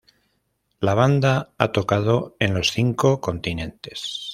La banda ha tocado en los cinco continentes.